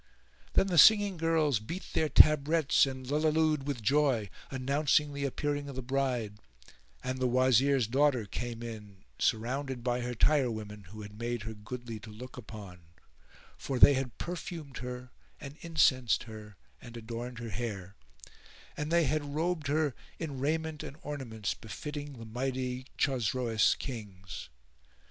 Then the singing girls beat their tabrets and lulliloo'd with joy, announcing the appearing of the bride; and the Wazir's daughter came in surrounded by her tirewomen who had made her goodly to look upon; for they had perfumed her and incensed her and adorned her hair; and they had robed her in raiment and ornaments befitting the mighty Chosroes Kings.